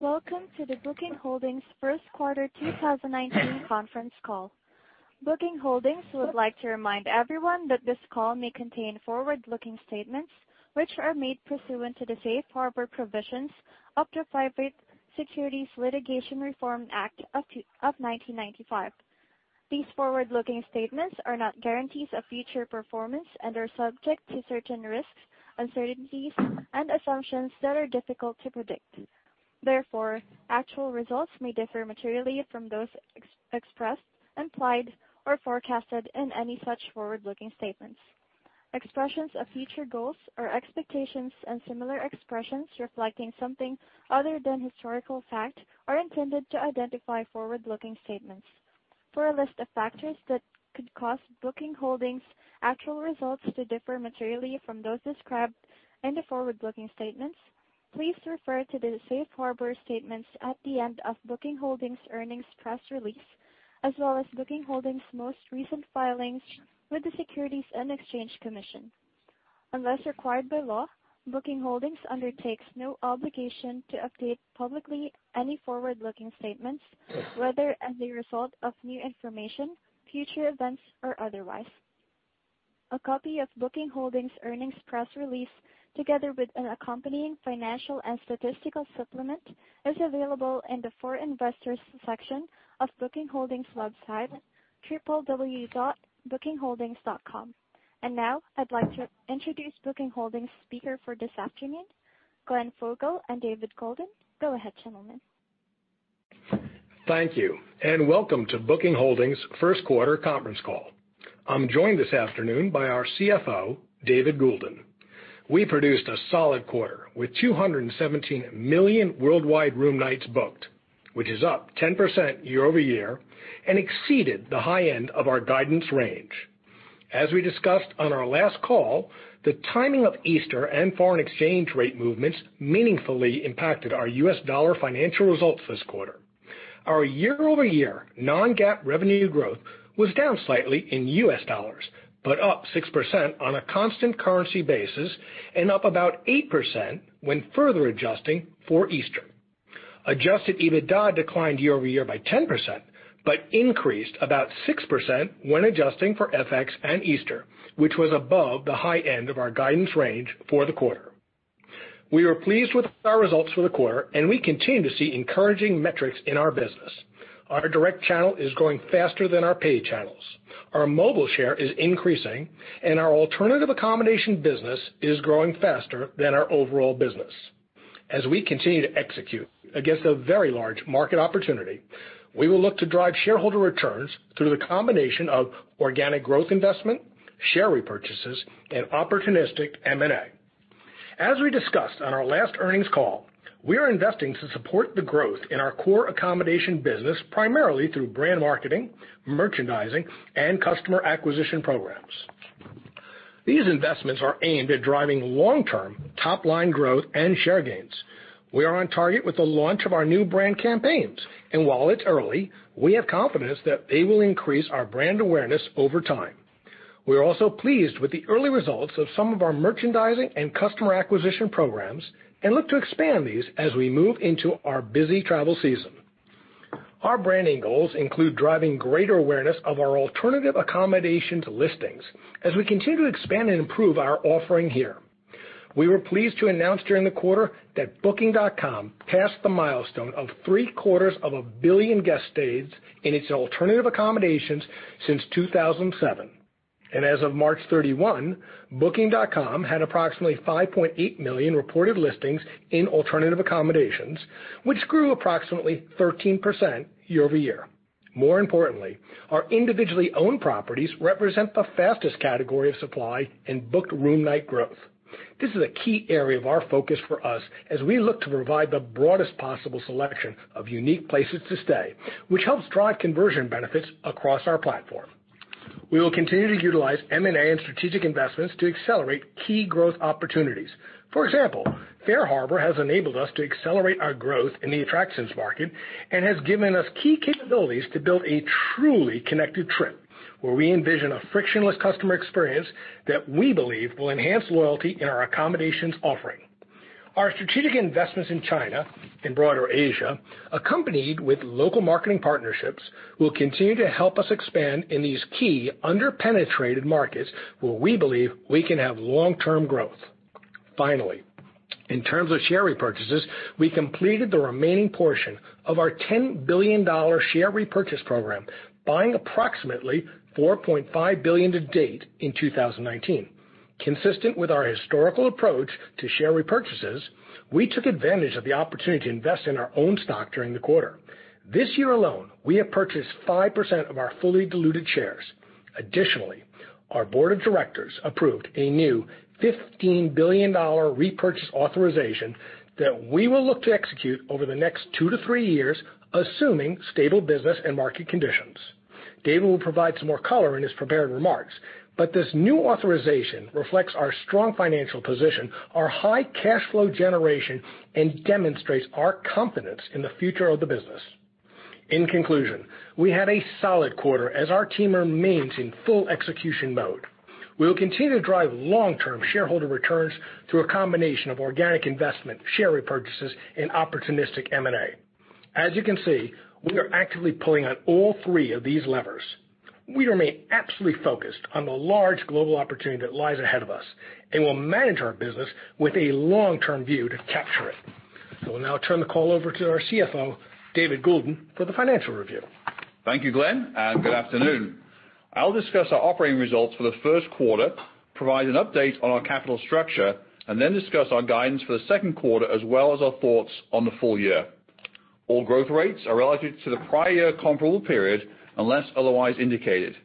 Welcome to the Booking Holdings first quarter 2019 conference call. Booking Holdings would like to remind everyone that this call may contain forward-looking statements, which are made pursuant to the safe harbor provisions of the Private Securities Litigation Reform Act of 1995. These forward-looking statements are not guarantees of future performance and are subject to certain risks, uncertainties, and assumptions that are difficult to predict. Therefore, actual results may differ materially from those expressed, implied, or forecasted in any such forward-looking statements. Expressions of future goals or expectations and similar expressions reflecting something other than historical fact are intended to identify forward-looking statements. For a list of factors that could cause Booking Holdings actual results to differ materially from those described in the forward-looking statements, please refer to the safe harbor statements at the end of Booking Holdings earnings press release, as well as Booking Holdings most recent filings with the Securities and Exchange Commission. Unless required by law, Booking Holdings undertakes no obligation to update publicly any forward-looking statements, whether as a result of new information, future events, or otherwise. A copy of Booking Holdings earnings press release, together with an accompanying financial and statistical supplement, is available in the For Investors section of Booking Holdings website, www.bookingholdings.com. I'd like to introduce Booking Holdings speaker for this afternoon, Glenn Fogel and David Goulden. Go ahead, gentlemen. Thank you, and welcome to Booking Holdings first quarter conference call. I'm joined this afternoon by our CFO, David Goulden. We produced a solid quarter with 217 million worldwide room nights booked, which is up 10% year-over-year and exceeded the high end of our guidance range. As we discussed on our last call, the timing of Easter and foreign exchange rate movements meaningfully impacted our U.S. dollar financial results this quarter. Our year-over-year non-GAAP revenue growth was down slightly in U.S. dollars, but up 6% on a constant currency basis and up about 8% when further adjusting for Easter. Adjusted EBITDA declined year-over-year by 10%, but increased about 6% when adjusting for FX and Easter, which was above the high end of our guidance range for the quarter. We are pleased with our results for the quarter, and we continue to see encouraging metrics in our business. Our direct channel is growing faster than our paid channels. Our mobile share is increasing, and our alternative accommodation business is growing faster than our overall business. As we continue to execute against a very large market opportunity, we will look to drive shareholder returns through the combination of organic growth investment, share repurchases, and opportunistic M&A. As we discussed on our last earnings call, we are investing to support the growth in our core accommodation business primarily through brand marketing, merchandising, and customer acquisition programs. These investments are aimed at driving long-term top-line growth and share gains. We are on target with the launch of our new brand campaigns, and while it's early, we have confidence that they will increase our brand awareness over time. We are also pleased with the early results of some of our merchandising and customer acquisition programs and look to expand these as we move into our busy travel season. Our branding goals include driving greater awareness of our alternative accommodation listings as we continue to expand and improve our offering here. We were pleased to announce during the quarter that Booking.com passed the milestone of three-quarters of a billion guest stays in its alternative accommodations since 2007. As of March 31, Booking.com had approximately 5.8 million reported listings in alternative accommodations, which grew approximately 13% year-over-year. More importantly, our individually owned properties represent the fastest category of supply in booked room night growth. This is a key area of our focus for us as we look to provide the broadest possible selection of unique places to stay, which helps drive conversion benefits across our platform. We will continue to utilize M&A and strategic investments to accelerate key growth opportunities. For example, FareHarbor has enabled us to accelerate our growth in the attractions market and has given us key capabilities to build a truly Connected Trip where we envision a frictionless customer experience that we believe will enhance loyalty in our accommodations offering. Our strategic investments in China and broader Asia, accompanied with local marketing partnerships, will continue to help us expand in these key under-penetrated markets where we believe we can have long-term growth. Finally, in terms of share repurchases, we completed the remaining portion of our $10 billion share repurchase program, buying approximately $4.5 billion to date in 2019. Consistent with our historical approach to share repurchases, we took advantage of the opportunity to invest in our own stock during the quarter. This year alone, we have purchased 5% of our fully diluted shares. Additionally, our board of directors approved a new $15 billion repurchase authorization that we will look to execute over the next two to three years, assuming stable business and market conditions. David will provide some more color in his prepared remarks, but this new authorization reflects our strong financial position, our high cash flow generation, and demonstrates our confidence in the future of the business. In conclusion, we had a solid quarter as our team remains in full execution mode. We will continue to drive long-term shareholder returns through a combination of organic investment, share repurchases, and opportunistic M&A. As you can see, we are actively pulling on all three of these levers. We remain absolutely focused on the large global opportunity that lies ahead of us, and we'll manage our business with a long-term view to capture it. I will now turn the call over to our CFO, David Goulden, for the financial review. Thank you, Glenn, and good afternoon. I'll discuss our operating results for the first quarter, provide an update on our capital structure, and then discuss our guidance for the second quarter as well as our thoughts on the full year. All growth rates are relative to the prior comparable period unless otherwise indicated.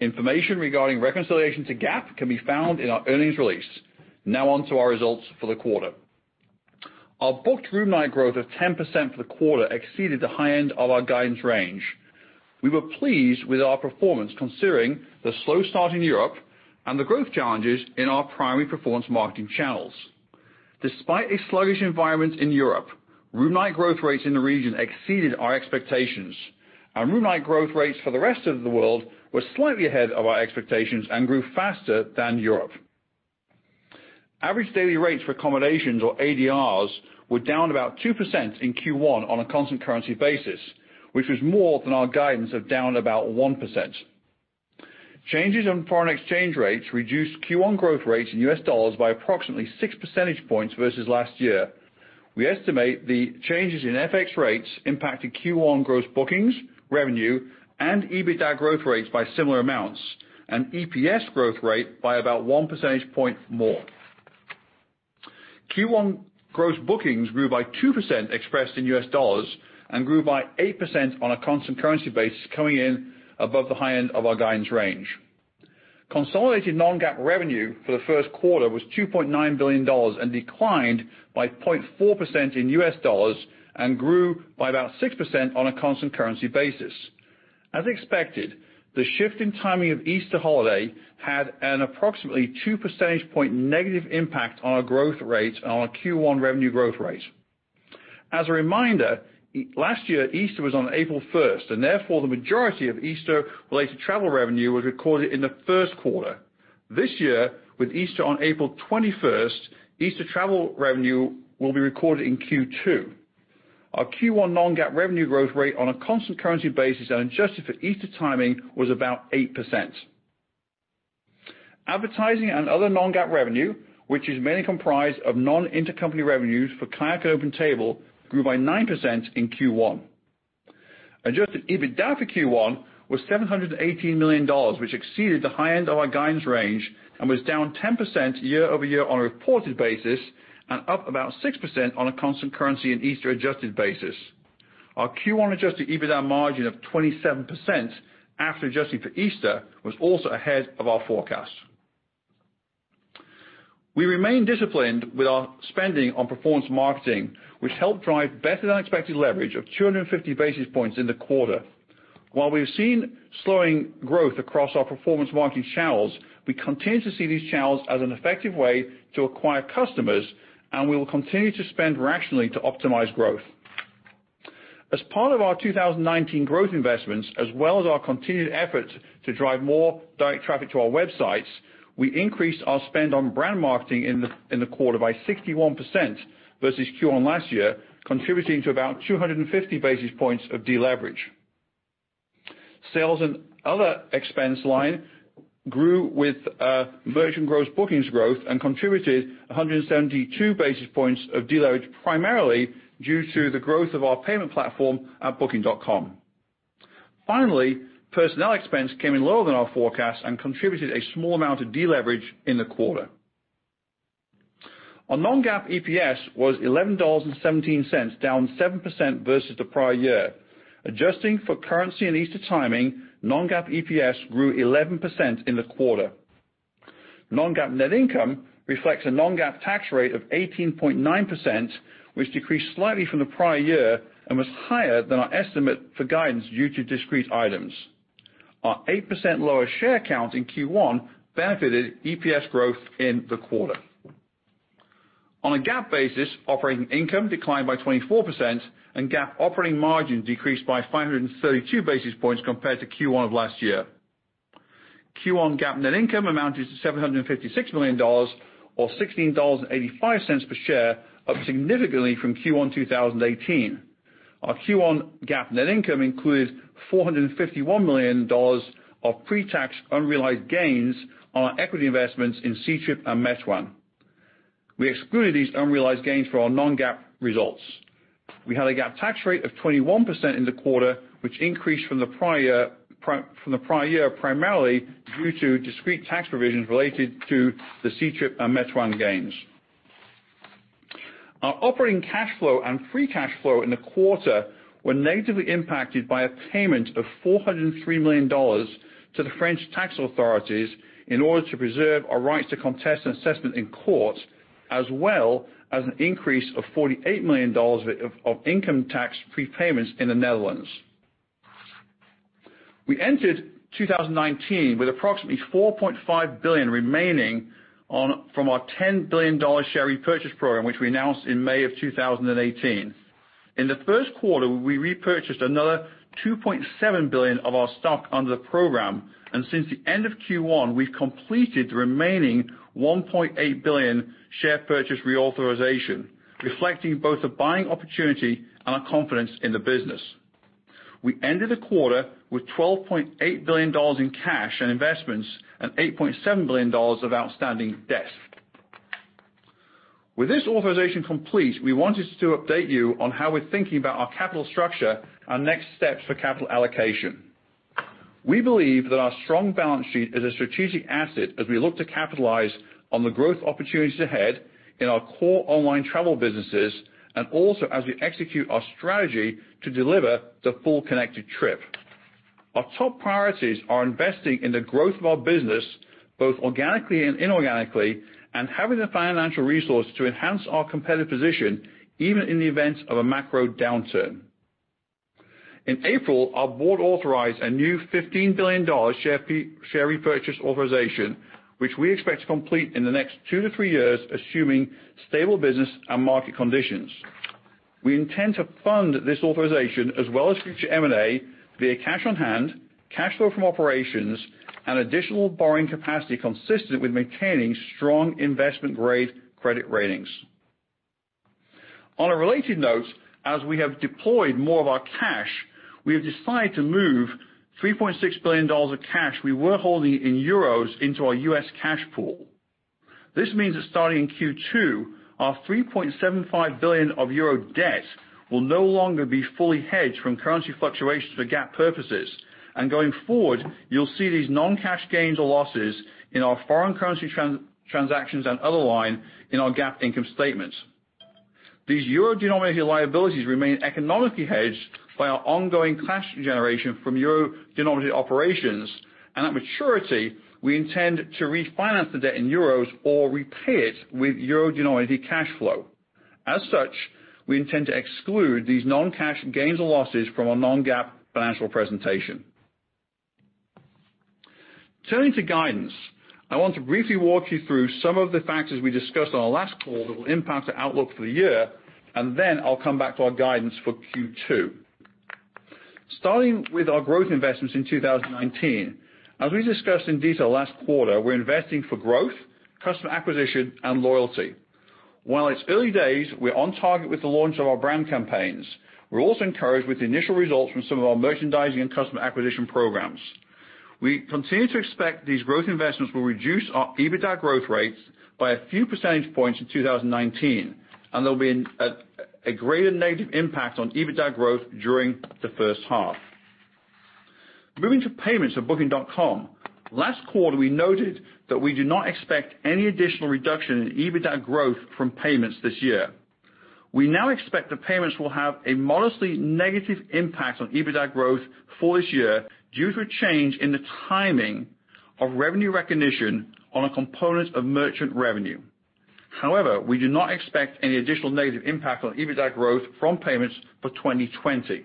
Information regarding reconciliation to GAAP can be found in our earnings release. Now on to our results for the quarter. Our booked room night growth of 10% for the quarter exceeded the high end of our guidance range. We were pleased with our performance considering the slow start in Europe and the growth challenges in our primary performance marketing channels. Despite a sluggish environment in Europe, room night growth rates in the region exceeded our expectations, and room night growth rates for the rest of the world were slightly ahead of our expectations and grew faster than Europe. Average daily rates for accommodations, or ADRs, were down about 2% in Q1 on a constant currency basis, which was more than our guidance of down about 1%. Changes in foreign exchange rates reduced Q1 growth rates in US dollars by approximately six percentage points versus last year. We estimate the changes in FX rates impacted Q1 gross bookings, revenue, and EBITDA growth rates by similar amounts and EPS growth rate by about one percentage point more. Q1 gross bookings grew by 2% expressed in US dollars and grew by 8% on a constant currency basis, coming in above the high end of our guidance range. Consolidated non-GAAP revenue for the first quarter was $2.9 billion and declined by 0.4% in US dollars and grew by about 6% on a constant currency basis. As expected, the shift in timing of Easter holiday had an approximately two percentage point negative impact on our growth rate on our Q1 revenue growth rate. As a reminder, last year, Easter was on April 1st, and therefore the majority of Easter-related travel revenue was recorded in the first quarter. This year, with Easter on April 21st, Easter travel revenue will be recorded in Q2. Our Q1 non-GAAP revenue growth rate on a constant currency basis and adjusted for Easter timing was about 8%. Advertising and other non-GAAP revenue, which is mainly comprised of non-intercompany revenues for KAYAK OpenTable, grew by 9% in Q1. Adjusted EBITDA for Q1 was $718 million, which exceeded the high end of our guidance range and was down 10% year-over-year on a reported basis and up about 6% on a constant currency and Easter-adjusted basis. Our Q1 adjusted EBITDA margin of 27% after adjusting for Easter was also ahead of our forecast. We remain disciplined with our spending on performance marketing, which helped drive better-than-expected leverage of 250 basis points in the quarter. While we have seen slowing growth across our performance marketing channels, we continue to see these channels as an effective way to acquire customers, and we will continue to spend rationally to optimize growth. As part of our 2019 growth investments as well as our continued efforts to drive more direct traffic to our websites, we increased our spend on brand marketing in the quarter by 61% versus Q1 last year, contributing to about 250 basis points of deleverage. Sales and other expense line grew with merchant gross bookings growth and contributed 172 basis points of deleverage, primarily due to the growth of our payment platform at booking.com. Finally, personnel expense came in lower than our forecast and contributed a small amount of deleverage in the quarter. Our non-GAAP EPS was $11.17, down 7% versus the prior year. Adjusting for currency and Easter timing, non-GAAP EPS grew 11% in the quarter. Non-GAAP net income reflects a non-GAAP tax rate of 18.9%, which decreased slightly from the prior year and was higher than our estimate for guidance due to discrete items. Our 8% lower share count in Q1 benefited EPS growth in the quarter. On a GAAP basis, operating income declined by 24% and GAAP operating margin decreased by 532 basis points compared to Q1 of last year. Q1 GAAP net income amounted to $756 million, or $16.85 per share, up significantly from Q1 2018. Our Q1 GAAP net income included $451 million of pre-tax unrealized gains on our equity investments in Ctrip and Meituan. We excluded these unrealized gains for our non-GAAP results. We had a GAAP tax rate of 21% in the quarter, which increased from the prior year, primarily due to discrete tax provisions related to the Ctrip and Meituan gains. Our operating cash flow and free cash flow in the quarter were negatively impacted by a payment of $403 million to the French tax authorities in order to preserve our right to contest an assessment in court as well as an increase of $48 million of income tax prepayments in the Netherlands. We entered 2019 with approximately $4.5 billion remaining from our $10 billion share repurchase program, which we announced in May of 2018. In the first quarter, we repurchased another $2.7 billion of our stock under the program, and since the end of Q1, we've completed the remaining $1.8 billion share purchase reauthorization, reflecting both a buying opportunity and our confidence in the business. We ended the quarter with $12.8 billion in cash and investments and $8.7 billion of outstanding debt. With this authorization complete, we wanted to update you on how we're thinking about our capital structure, our next steps for capital allocation. We believe that our strong balance sheet is a strategic asset as we look to capitalize on the growth opportunities ahead in our core online travel businesses and also as we execute our strategy to deliver the full Connected Trip. Our top priorities are investing in the growth of our business, both organically and inorganically, and having the financial resource to enhance our competitive position, even in the event of a macro downturn. In April, our board authorized a new $15 billion share repurchase authorization, which we expect to complete in the next two to three years, assuming stable business and market conditions. We intend to fund this authorization, as well as future M&A, via cash on hand, cash flow from operations, and additional borrowing capacity consistent with maintaining strong investment-grade credit ratings. On a related note, as we have deployed more of our cash, we have decided to move $3.6 billion of cash we were holding in EUR into our U.S. cash pool. This means that starting in Q2, our 3.75 billion euro of EUR debt will no longer be fully hedged from currency fluctuations for GAAP purposes. Going forward, you'll see these non-cash gains or losses in our foreign currency transactions and other line in our GAAP income statements. These euro-denominated liabilities remain economically hedged by our ongoing cash generation from euro-denominated operations, and at maturity, we intend to refinance the debt in EUR or repay it with euro-denominated cash flow. As such, we intend to exclude these non-cash gains or losses from our non-GAAP financial presentation. Turning to guidance, I want to briefly walk you through some of the factors we discussed on our last call that will impact our outlook for the year, then I'll come back to our guidance for Q2. Starting with our growth investments in 2019, as we discussed in detail last quarter, we're investing for growth, customer acquisition, and loyalty. While it's early days, we're on target with the launch of our brand campaigns. We're also encouraged with the initial results from some of our merchandising and customer acquisition programs. We continue to expect these growth investments will reduce our EBITDA growth rates by a few percentage points in 2019, and there'll be a greater negative impact on EBITDA growth during the first half. Moving to payments at Booking.com, last quarter, we noted that we do not expect any additional reduction in EBITDA growth from payments this year. We now expect that payments will have a modestly negative impact on EBITDA growth for this year due to a change in the timing of revenue recognition on a component of merchant revenue. However, we do not expect any additional negative impact on EBITDA growth from payments for 2020.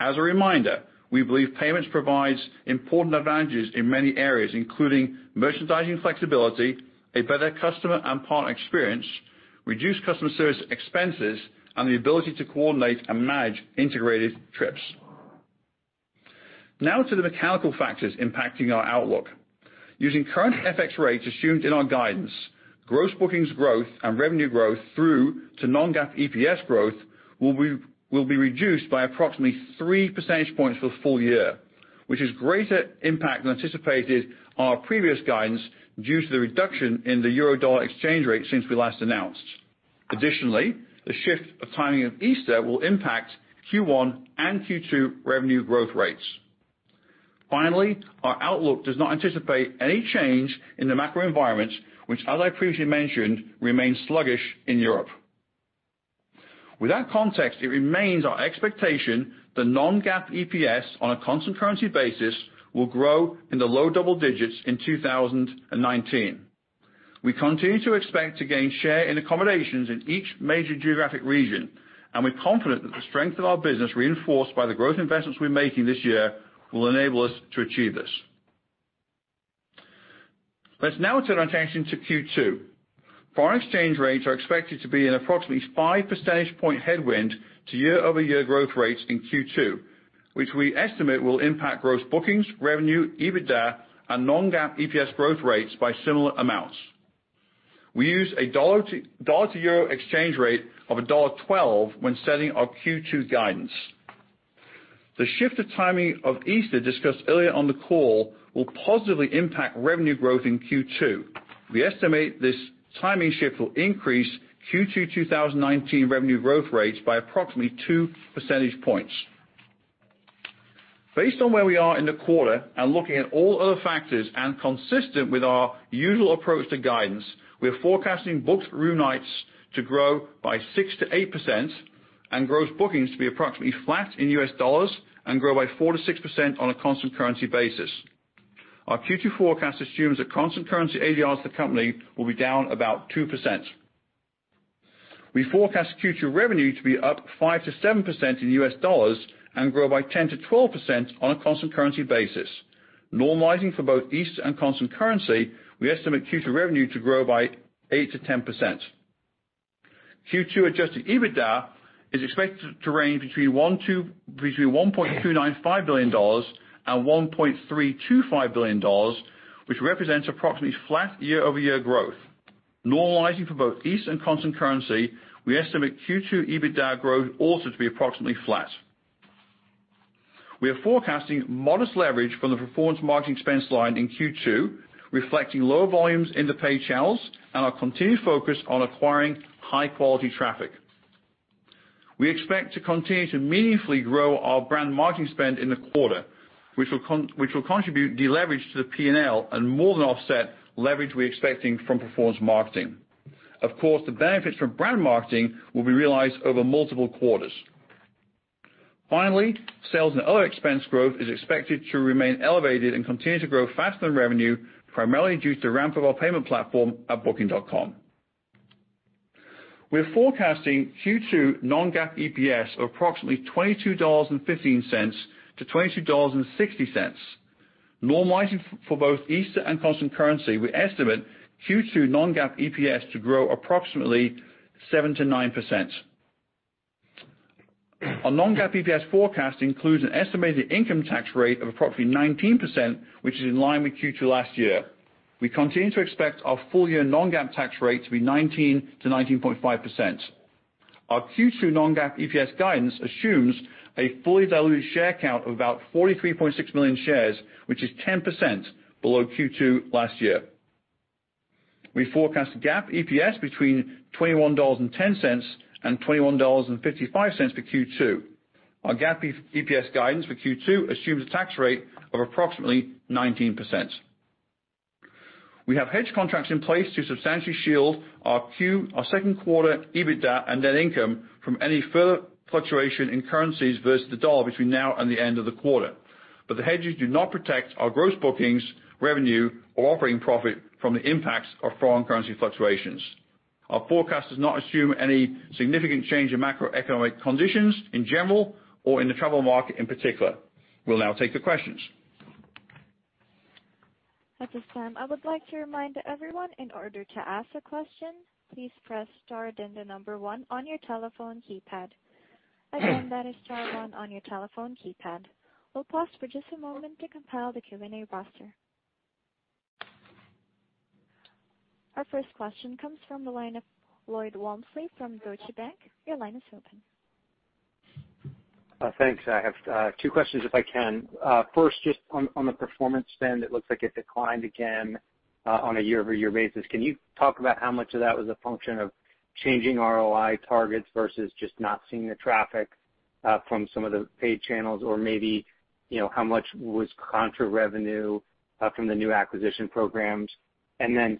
As a reminder, we believe payments provides important advantages in many areas, including merchandising flexibility, a better customer and partner experience, reduced customer service expenses, and the ability to coordinate and manage integrated trips. Now to the mechanical factors impacting our outlook. Using current FX rates assumed in our guidance, gross bookings growth and revenue growth through to non-GAAP EPS growth will be reduced by approximately three percentage points for the full year, which is greater impact than anticipated our previous guidance due to the reduction in the EUR/USD exchange rate since we last announced. Additionally, the shift of timing of Easter will impact Q1 and Q2 revenue growth rates. Finally, our outlook does not anticipate any change in the macro environment, which, as I previously mentioned, remains sluggish in Europe. With that context, it remains our expectation that non-GAAP EPS on a constant currency basis will grow in the low double digits in 2019. We continue to expect to gain share in accommodations in each major geographic region, and we're confident that the strength of our business, reinforced by the growth investments we're making this year, will enable us to achieve this. Let's now turn our attention to Q2. Foreign exchange rates are expected to be an approximately 5 percentage point headwind to year-over-year growth rates in Q2, which we estimate will impact gross bookings, revenue, EBITDA, and non-GAAP EPS growth rates by similar amounts. We use a dollar-to-euro exchange rate of $1.12 when setting our Q2 guidance. The shift of timing of Easter discussed earlier on the call will positively impact revenue growth in Q2. We estimate this timing shift will increase Q2 2019 revenue growth rates by approximately 2 percentage points. Based on where we are in the quarter and looking at all other factors and consistent with our usual approach to guidance, we are forecasting booked room nights to grow by 6%-8% and gross bookings to be approximately flat in US dollars and grow by 4%-6% on a constant currency basis. Our Q2 forecast assumes that constant currency ADRs as the company will be down about 2%. We forecast Q2 revenue to be up 5%-7% in US dollars and grow by 10%-12% on a constant currency basis. Normalizing for both Easter and constant currency, we estimate Q2 revenue to grow by 8%-10%. Q2 adjusted EBITDA is expected to range between $1.295 billion and $1.325 billion, which represents approximately flat year-over-year growth. Normalizing for both Easter and constant currency, we estimate Q2 EBITDA growth also to be approximately flat. We are forecasting modest leverage from the performance marketing expense line in Q2, reflecting low volumes in the paid channels and our continued focus on acquiring high-quality traffic. We expect to continue to meaningfully grow our brand marketing spend in the quarter, which will contribute deleverage to the P&L and more than offset leverage we're expecting from performance marketing. Of course, the benefits from brand marketing will be realized over multiple quarters. Finally, sales and other expense growth is expected to remain elevated and continue to grow faster than revenue, primarily due to the ramp of our payment platform at Booking.com. We're forecasting Q2 non-GAAP EPS of approximately $22.15-$22.60. Normalizing for both Easter and constant currency, we estimate Q2 non-GAAP EPS to grow approximately 7%-9%. Our non-GAAP EPS forecast includes an estimated income tax rate of approximately 19%, which is in line with Q2 last year. We continue to expect our full-year non-GAAP tax rate to be 19%-19.5%. Our Q2 non-GAAP EPS guidance assumes a fully diluted share count of about 43.6 million shares, which is 10% below Q2 last year. We forecast GAAP EPS between $21.10 and $21.55 for Q2. Our GAAP EPS guidance for Q2 assumes a tax rate of approximately 19%. We have hedge contracts in place to substantially shield our second quarter EBITDA and net income from any further fluctuation in currencies versus the dollar between now and the end of the quarter. But the hedges do not protect our gross bookings, revenue or operating profit from the impacts of foreign currency fluctuations. Our forecast does not assume any significant change in macroeconomic conditions in general or in the travel market in particular. We'll now take the questions. At this time, I would like to remind everyone, in order to ask a question, please press star, then the number one on your telephone keypad. Again, that is star one on your telephone keypad. We'll pause for just a moment to compile the Q&A roster. Our first question comes from the line of Lloyd Walmsley from Deutsche Bank. Your line is open. Thanks. I have two questions, if I can. First, just on the performance spend, it looks like it declined again on a year-over-year basis. Can you talk about how much of that was a function of changing ROI targets versus just not seeing the traffic from some of the paid channels? Or maybe how much was contra revenue from the new acquisition programs?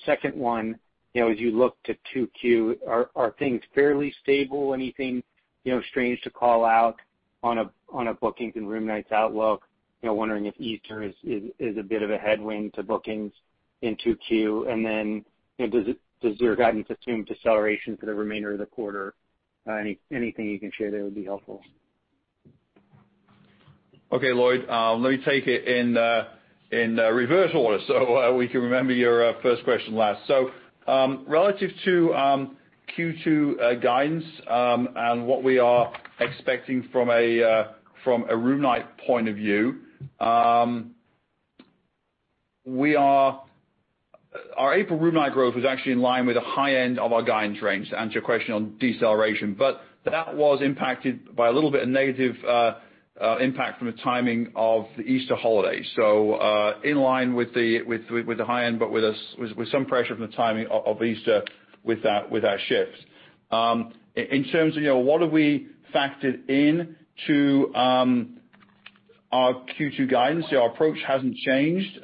Second one, as you look to 2Q, are things fairly stable? Anything strange to call out on a bookings and room nights outlook? Wondering if Easter is a bit of a headwind to bookings in 2Q. Does your guidance assume deceleration for the remainder of the quarter? Anything you can share there would be helpful. Okay, Lloyd. Let me take it in reverse order so we can remember your first question last. Relative to Q2 guidance and what we are expecting from a room night point of view, our April room night growth was actually in line with the high end of our guidance range, to answer your question on deceleration. That was impacted by a little bit of negative impact from the timing of the Easter holiday. In line with the high end, but with some pressure from the timing of Easter with our shifts. In terms of what have we factored in to our Q2 guidance, our approach hasn't changed.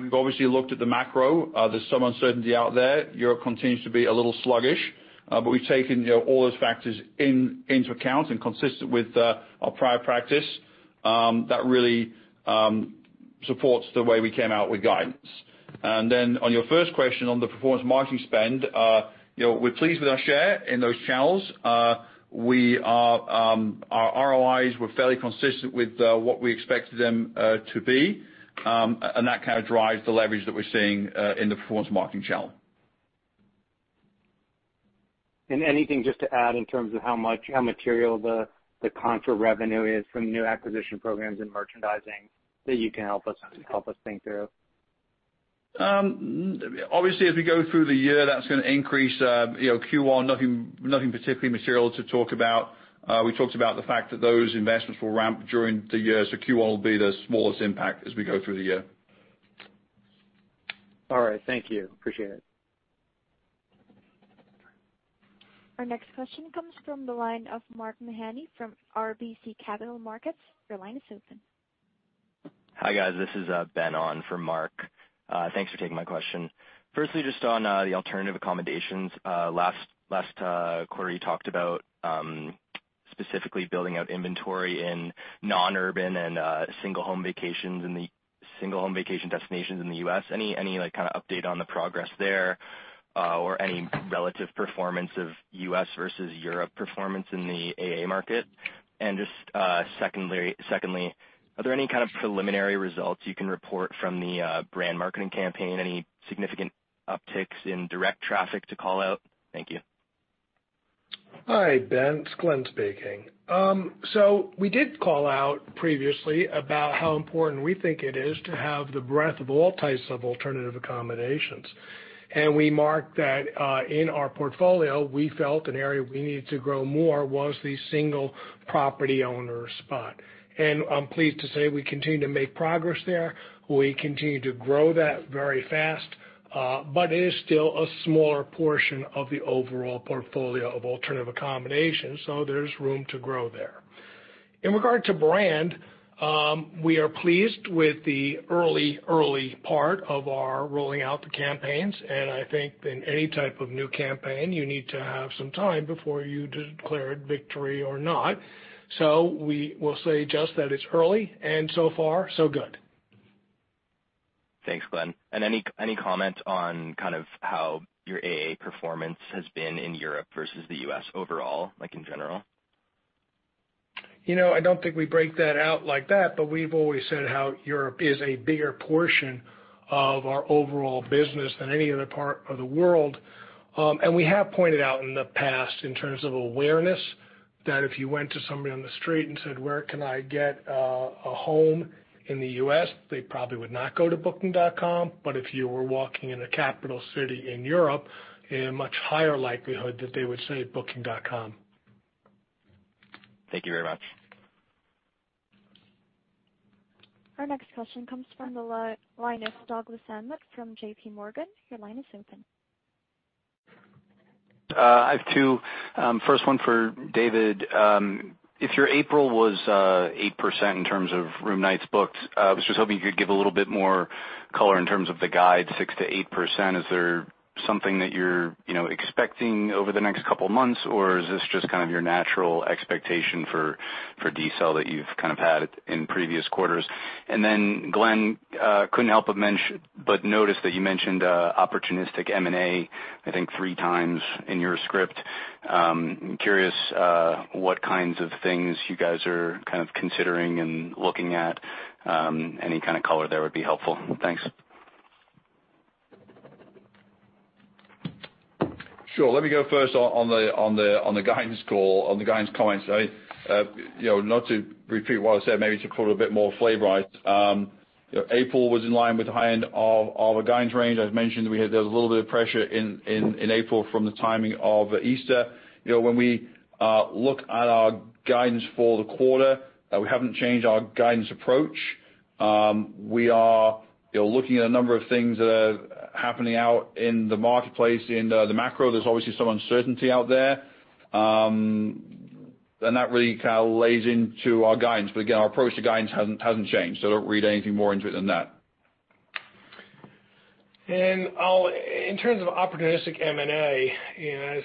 We've obviously looked at the macro. There's some uncertainty out there. Europe continues to be a little sluggish, but we've taken all those factors into account and consistent with our prior practice, that really supports the way we came out with guidance. On your first question on the performance marketing spend, we're pleased with our share in those channels. Our ROIs were fairly consistent with what we expected them to be, and that kind of drives the leverage that we're seeing in the performance marketing channel. Anything just to add in terms of how material the contra revenue is from the new acquisition programs and merchandising that you can help us think through? Obviously, as we go through the year, that's going to increase Q1, nothing particularly material to talk about. We talked about the fact that those investments will ramp during the year. Q1 will be the smallest impact as we go through the year. All right. Thank you. Appreciate it. Our next question comes from the line of Mark Mahaney from RBC Capital Markets. Your line is open. Hi, guys. This is Ben on for Mark. Thanks for taking my question. Firstly, just on the alternative accommodations. Last quarter, you talked about. Specifically building out inventory in non-urban and single home vacations in the single home vacation destinations in the U.S. Any update on the progress there? Or any relative performance of U.S. versus Europe performance in the AA market? Just secondly, are there any kind of preliminary results you can report from the brand marketing campaign? Any significant upticks in direct traffic to call out? Thank you. Hi, Ben, it's Glenn speaking. We did call out previously about how important we think it is to have the breadth of all types of alternative accommodations. We marked that in our portfolio, we felt an area we needed to grow more was the single property owner spot. I'm pleased to say we continue to make progress there. We continue to grow that very fast. It is still a smaller portion of the overall portfolio of alternative accommodations, so there's room to grow there. In regard to brand, we are pleased with the early part of our rolling out the campaigns, and I think in any type of new campaign, you need to have some time before you declared victory or not. We will say just that it's early and so far so good. Thanks, Glenn. Any comment on how your AA performance has been in Europe versus the U.S. overall, like in general? I don't think we break that out like that, but we've always said how Europe is a bigger portion of our overall business than any other part of the world. We have pointed out in the past, in terms of awareness, that if you went to somebody on the street and said, "Where can I get a home in the U.S.?" They probably would not go to booking.com. If you were walking in a capital city in Europe, a much higher likelihood that they would say booking.com. Thank you very much. Our next question comes from the line of Douglas Anmuth from J.P. Morgan. Your line is open. I have two. First one for David. If your April was 8% in terms of room nights booked, I was just hoping you could give a little bit more color in terms of the guide, 6%-8%. Glenn, couldn't help but notice that you mentioned opportunistic M&A, I think three times in your script. I'm curious what kinds of things you guys are considering and looking at. Any kind of color there would be helpful. Thanks. Sure. Let me go first on the guidance call, on the guidance comments. Not to repeat what I said, maybe to put a bit more flavor on it. April was in line with the high end of our guidance range. I've mentioned that we had a little bit of pressure in April from the timing of Easter. When we look at our guidance for the quarter, we haven't changed our guidance approach. We are looking at a number of things that are happening out in the marketplace, in the macro. There's obviously some uncertainty out there. That really plays into our guidance, but again, our approach to guidance hasn't changed. Don't read anything more into it than that. In terms of opportunistic M&A,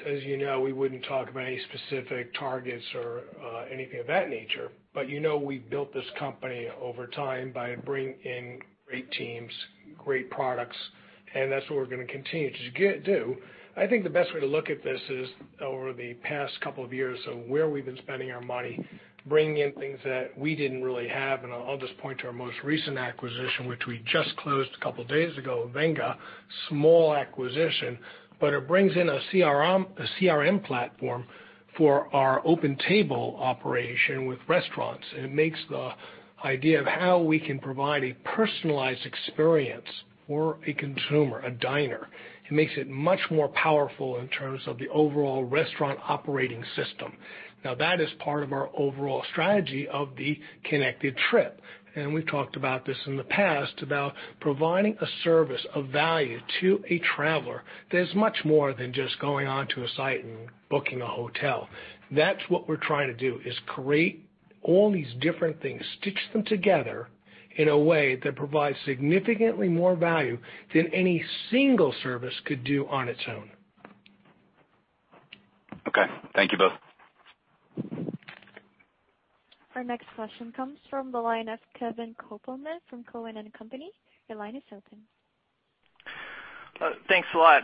as you know, we wouldn't talk about any specific targets or anything of that nature. You know we've built this company over time by bringing in great teams, great products, and that's what we're going to continue to do. I think the best way to look at this is over the past couple of years of where we've been spending our money, bringing in things that we didn't really have, and I'll just point to our most recent acquisition, which we just closed a couple of days ago, Venga. Small acquisition, but it brings in a CRM platform for our OpenTable operation with restaurants, and it makes the idea of how we can provide a personalized experience for a consumer, a diner. It makes it much more powerful in terms of the overall restaurant operating system. That is part of our overall strategy of the Connected Trip, and we've talked about this in the past, about providing a service of value to a traveler that's much more than just going onto a site and booking a hotel. That's what we're trying to do, is create all these different things, stitch them together in a way that provides significantly more value than any single service could do on its own. Okay. Thank you both. Our next question comes from the line of Kevin Kopelman from Cowen and Company. Your line is open. Thanks a lot.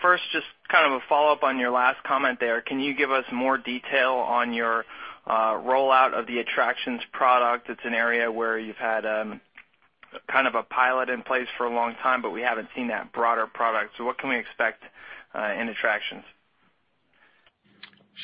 First, just a follow-up on your last comment there. Can you give us more detail on your rollout of the attractions product? It's an area where you've had a pilot in place for a long time, but we haven't seen that broader product. What can we expect in attractions?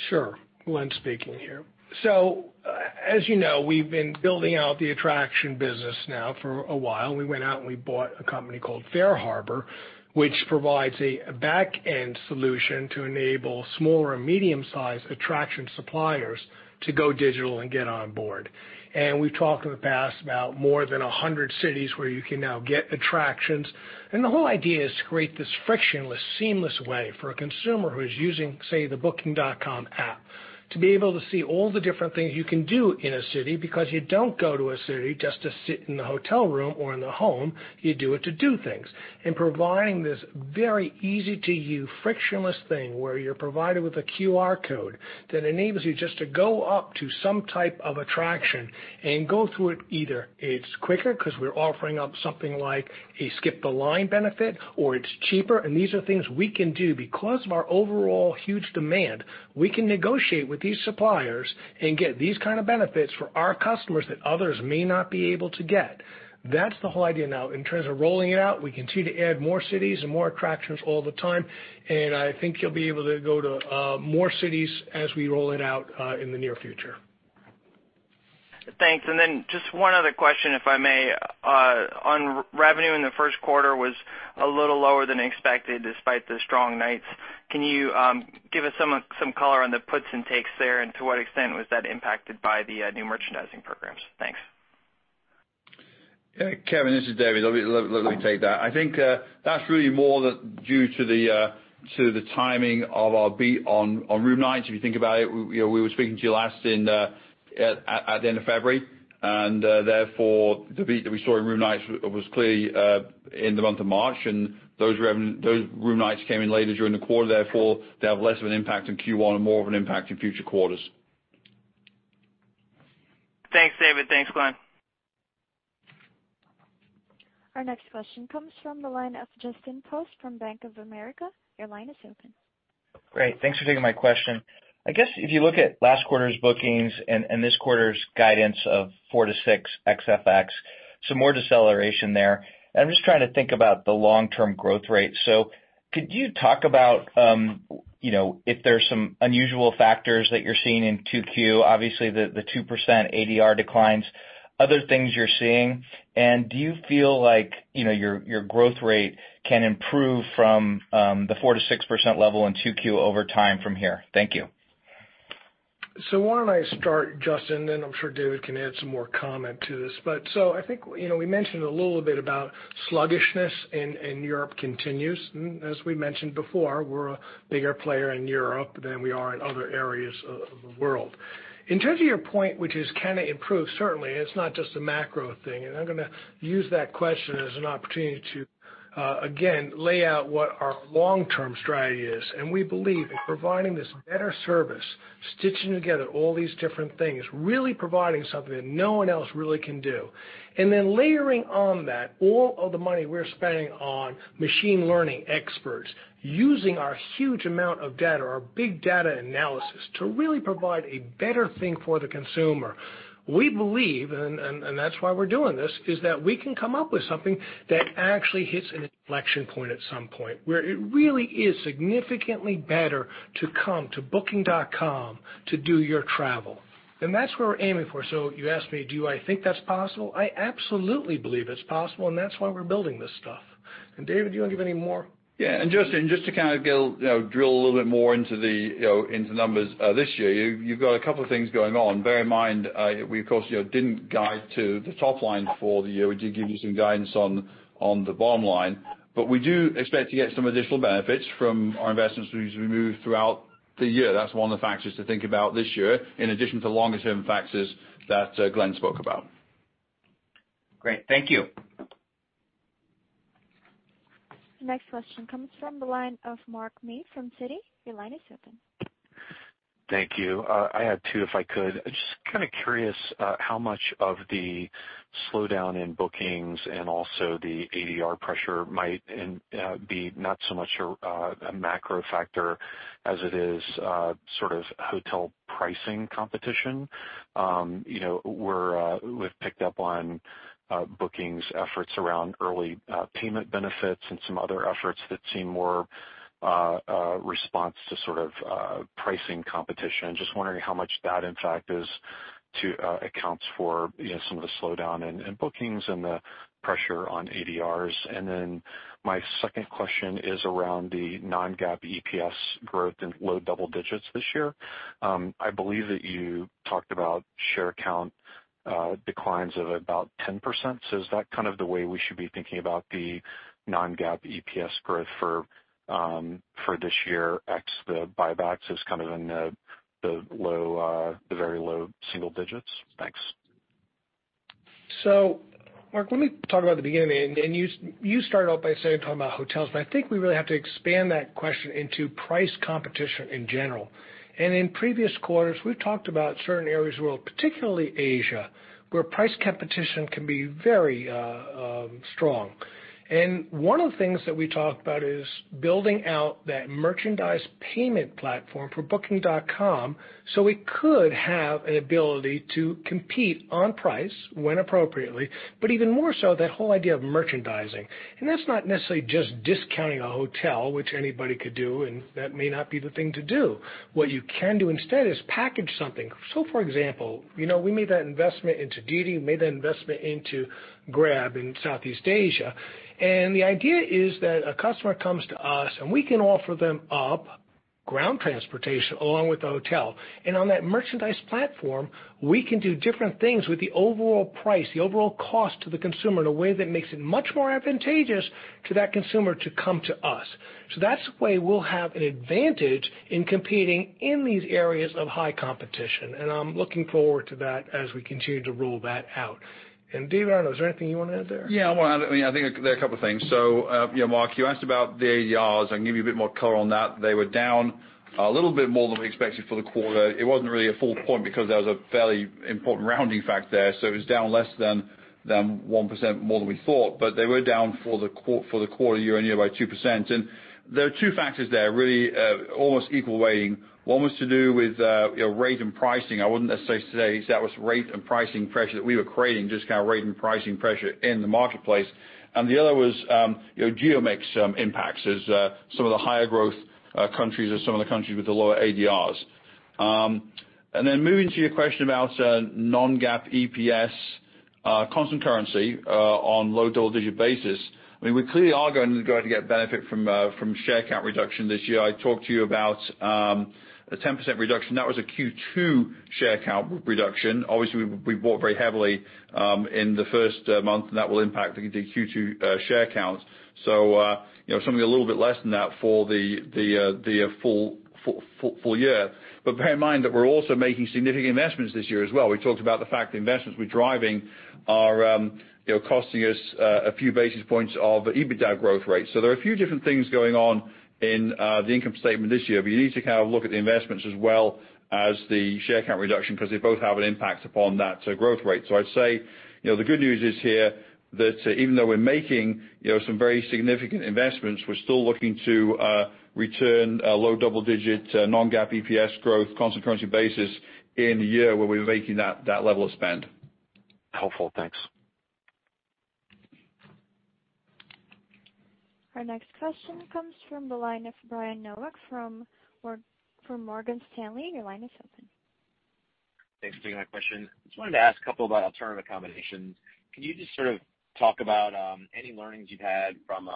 Sure. Glenn speaking here. As you know, we've been building out the attraction business now for a while. We went out and we bought a company called FareHarbor, which provides a back-end solution to enable small or medium-sized attraction suppliers to go digital and get on board. We've talked in the past about more than 100 cities where you can now get attractions. The whole idea is to create this frictionless, seamless way for a consumer who is using, say, the Booking.com app, to be able to see all the different things you can do in a city, because you don't go to a city just to sit in the hotel room or in the home, you do it to do things. Providing this very easy-to-use, frictionless thing where you're provided with a QR code that enables you just to go up to some type of attraction and go through it, either it's quicker because we're offering up something like a skip-the-line benefit or it's cheaper. These are things we can do. Because of our overall huge demand, we can negotiate with these suppliers and get these kind of benefits for our customers that others may not be able to get. That's the whole idea now. In terms of rolling it out, we continue to add more cities and more attractions all the time, and I think you'll be able to go to more cities as we roll it out in the near future. Thanks. Then just one other question, if I may. On revenue in the first quarter was a little lower than expected, despite the strong nights. Can you give us some color on the puts and takes there? To what extent was that impacted by the new merchandising programs? Thanks. Yeah, Kevin, this is David. Let me take that. I think that's really more due to the timing of our beat on room nights. If you think about it, we were speaking to you last at the end of February. Therefore, the beat that we saw in room nights was clearly in the month of March. Those room nights came in later during the quarter. Therefore, they have less of an impact on Q1 and more of an impact in future quarters. Thanks, David. Thanks, Glenn. Our next question comes from the line of Justin Post from Bank of America. Your line is open. Great. Thanks for taking my question. I guess if you look at last quarter's bookings and this quarter's guidance of 4%-6% ex FX, some more deceleration there. I'm just trying to think about the long-term growth rate. Could you talk about if there's some unusual factors that you're seeing in 2Q? Obviously, the 2% ADR declines, other things you're seeing. Do you feel like your growth rate can improve from the 4% to 6% level in 2Q over time from here? Thank you. Why don't I start, Justin, and I'm sure David can add some more comment to this. I think we mentioned a little bit about sluggishness in Europe continues. As we mentioned before, we're a bigger player in Europe than we are in other areas of the world. In terms of your point, which is can it improve? Certainly, it's not just a macro thing. I'm going to use that question as an opportunity to, again, lay out what our long-term strategy is. We believe in providing this better service, stitching together all these different things, really providing something that no one else really can do. Layering on that all of the money we're spending on machine learning experts, using our huge amount of data, our big data analysis, to really provide a better thing for the consumer. We believe, that's why we're doing this, is that we can come up with something that actually hits an inflection point at some point, where it really is significantly better to come to booking.com to do your travel. That's what we're aiming for. You asked me, do I think that's possible? I absolutely believe it's possible. That's why we're building this stuff. David, do you want to give any more? Yeah. Justin, just to drill a little bit more into the numbers this year. You've got a couple of things going on. Bear in mind, we of course, didn't guide to the top line for the year. We did give you some guidance on the bottom line. We do expect to get some additional benefits from our investments we've moved throughout the year. That's one of the factors to think about this year, in addition to longer-term factors that Glenn spoke about. Great. Thank you. The next question comes from the line of Mark May from Citi. Your line is open. Thank you. I had two if I could. Just curious how much of the slowdown in bookings and also the ADR pressure might be not so much a macro factor as it is hotel pricing competition. We've picked up on bookings efforts around early payment benefits and some other efforts that seem more response to pricing competition. Just wondering how much that, in fact, accounts for some of the slowdown in bookings and the pressure on ADRs. Then my second question is around the non-GAAP EPS growth in low double-digits this year. I believe that you talked about share count declines of about 10%. Is that the way we should be thinking about the non-GAAP EPS growth for this year, ex the buybacks is in the very low single-digits? Thanks. Mark, let me talk about the beginning, you started off by talking about hotels, I think we really have to expand that question into price competition in general. In previous quarters, we've talked about certain areas of the world, particularly Asia, where price competition can be very strong. One of the things that we talked about is building out that merchandise payment platform for Booking.com so we could have an ability to compete on price when appropriately, but even more so, that whole idea of merchandising. That's not necessarily just discounting a hotel, which anybody could do, and that may not be the thing to do. What you can do instead is package something. For example, we made that investment into Didi, made that investment into Grab in Southeast Asia. The idea is that a customer comes to us and we can offer them Ground transportation along with the hotel. On that merchandise platform, we can do different things with the overall price, the overall cost to the consumer, in a way that makes it much more advantageous to that consumer to come to us. That's the way we'll have an advantage in competing in these areas of high competition, and I'm looking forward to that as we continue to roll that out. David, is there anything you want to add there? Yeah. I want to add, I think there are a couple of things. Mark, you asked about the ADRs, I can give you a bit more color on that. They were down a little bit more than we expected for the quarter. It wasn't really a full point because that was a fairly important rounding factor there, so it was down less than 1% more than we thought. They were down for the quarter year-on-year by 2%. There are two factors there, really almost equal weighting. One was to do with rate and pricing. I wouldn't necessarily say that was rate and pricing pressure that we were creating, just kind of rate and pricing pressure in the marketplace. The other was geo mix impacts as some of the higher growth countries or some of the countries with the lower ADRs. Moving to your question about non-GAAP EPS constant currency on low double-digit basis. We clearly are going to get benefit from share count reduction this year. I talked to you about a 10% reduction. That was a Q2 share count reduction. Obviously, we bought very heavily in the first month, and that will impact the Q2 share counts. Something a little bit less than that for the full year. Bear in mind that we're also making significant investments this year as well. We talked about the fact the investments we're driving are costing us a few basis points of EBITDA growth rate. There are a few different things going on in the income statement this year, but you need to look at the investments as well as the share count reduction because they both have an impact upon that growth rate. I'd say, the good news is here, that even though we're making some very significant investments, we're still looking to return a low double-digit non-GAAP EPS growth constant currency basis in the year where we're making that level of spend. Helpful. Thanks. Our next question comes from the line of Brian Nowak from Morgan Stanley. Your line is open. Thanks for taking my question. Just wanted to ask a couple about alternative accommodations. Can you just sort of talk about any learnings you've had from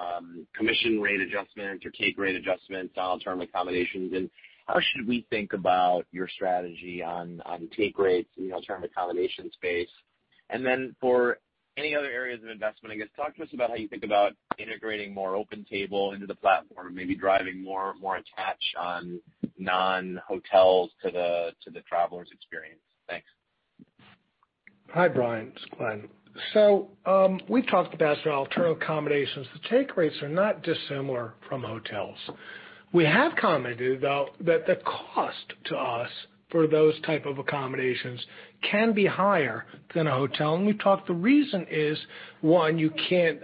commission rate adjustments or take rate adjustments on alternative accommodations, and how should we think about your strategy on take rates in the alternative accommodation space? Then for any other areas of investment, I guess, talk to us about how you think about integrating more OpenTable into the platform and maybe driving more attach on non-hotels to the traveler's experience. Thanks. Hi, Brian. It's Glenn. We've talked about alternative accommodations. The take rates are not dissimilar from hotels. We have commented, though, that the cost to us for those type of accommodations can be higher than a hotel. We've talked the reason is, one, you can't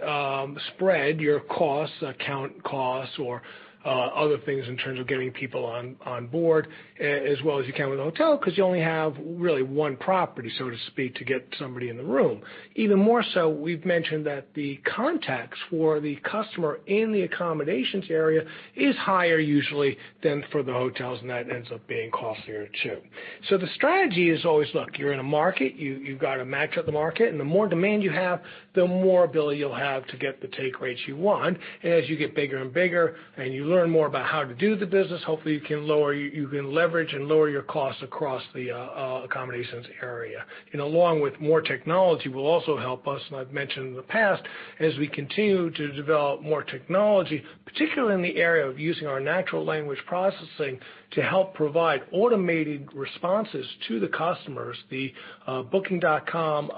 spread your costs, account costs, or other things in terms of getting people on board, as well as you can with a hotel, because you only have really one property, so to speak, to get somebody in the room. Even more so, we've mentioned that the contacts for the customer in the accommodations area is higher usually than for the hotels, and that ends up being costlier too. The strategy is always, look, you're in a market, you've got to match up the market, and the more demand you have, the more ability you'll have to get the take rates you want. As you get bigger and bigger and you learn more about how to do the business, hopefully you can leverage and lower your costs across the accommodations area. Along with more technology will also help us, and I've mentioned in the past, as we continue to develop more technology, particularly in the area of using our natural language processing to help provide automated responses to the customers, the booking.com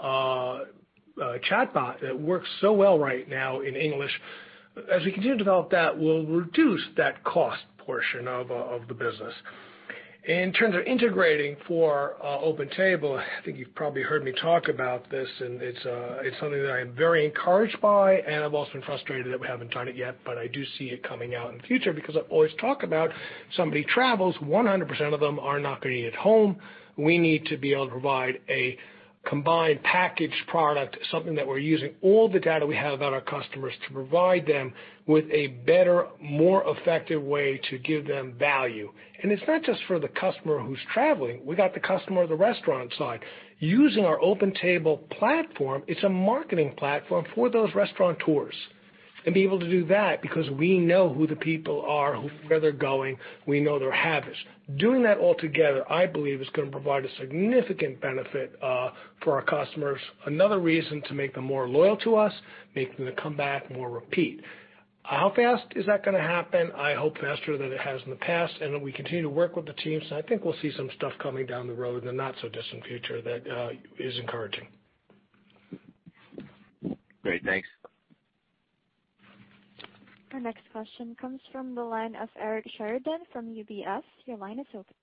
chatbot that works so well right now in English. As we continue to develop that, we'll reduce that cost portion of the business. In terms of integrating for OpenTable, I think you've probably heard me talk about this, and it's something that I'm very encouraged by, and I've also been frustrated that we haven't done it yet, but I do see it coming out in the future because I've always talked about somebody travels, 100% of them are not going to eat at home. We need to be able to provide a combined package product, something that we're using all the data we have about our customers to provide them with a better, more effective way to give them value. It's not just for the customer who's traveling. We got the customer of the restaurant side. Using our OpenTable platform, it's a marketing platform for those restaurateurs, and be able to do that because we know who the people are, where they're going. We know their habits. Doing that all together, I believe, is going to provide a significant benefit for our customers, another reason to make them more loyal to us, make them come back more repeat. How fast is that going to happen? I hope faster than it has in the past, that we continue to work with the teams, I think we'll see some stuff coming down the road in the not so distant future that is encouraging. Great. Thanks. Our next question comes from the line of Eric Sheridan from UBS. Your line is open.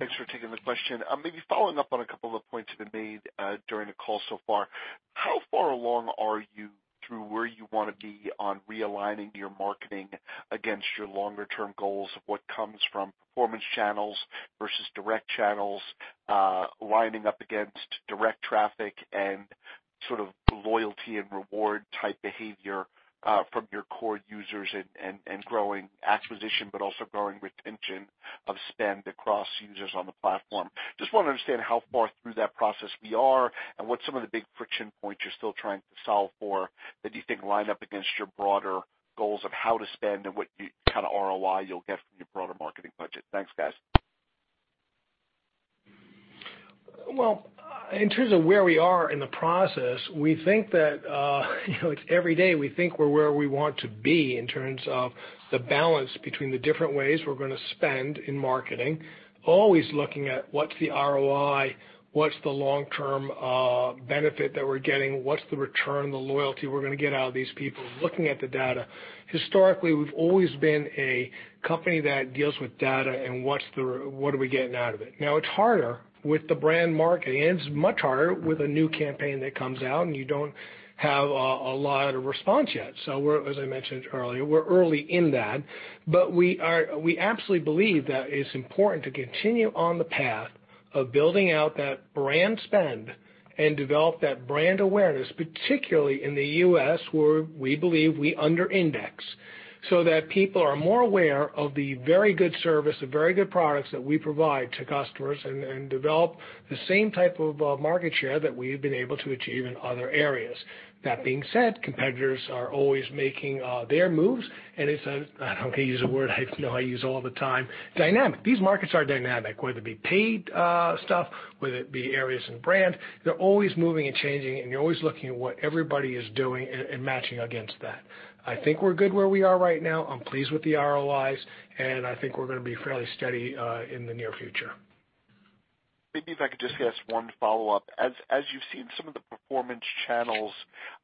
Thanks for taking the question. Following up on a couple of points that have been made during the call so far. How far along are you through where you want to be on realigning your marketing against your longer-term goals of what comes from performance channels versus direct channels, lining up against direct traffic and sort of loyalty and reward type behavior from your core users and growing acquisition, but also growing with spend across users on the platform. Just want to understand how far through that process we are and what some of the big friction points you're still trying to solve for that you think line up against your broader goals of how to spend and what kind of ROI you'll get from your broader marketing budget. Thanks, guys. Well, in terms of where we are in the process, we think that every day, we think we're where we want to be in terms of the balance between the different ways we're going to spend in marketing. Always looking at what's the ROI, what's the long-term benefit that we're getting, what's the return, the loyalty we're going to get out of these people, looking at the data. Historically, we've always been a company that deals with data and what are we getting out of it. Now, it's harder with the brand marketing, and it's much harder with a new campaign that comes out and you don't have a lot of response yet. As I mentioned earlier, we're early in that, but we absolutely believe that it's important to continue on the path of building out that brand spend and develop that brand awareness, particularly in the U.S., where we believe we under index, so that people are more aware of the very good service, the very good products that we provide to customers and develop the same type of market share that we've been able to achieve in other areas. That being said, competitors are always making their moves, and it's a I'm going to use a word I know I use all the time, dynamic. These markets are dynamic, whether it be paid stuff, whether it be areas in brand, they're always moving and changing, and you're always looking at what everybody is doing and matching against that. I think we're good where we are right now. I'm pleased with the ROIs. I think we're going to be fairly steady in the near future. Maybe if I could just ask one follow-up. As you've seen some of the performance channels